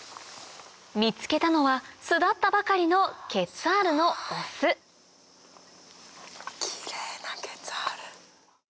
見つけたのは巣立ったばかりのケツァールのオスキレイなケツァール。